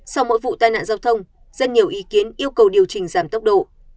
sau mỗi vụ tai nạn giao thông rất nhiều ý kiến yêu cầu điều chỉnh giảm tốc độ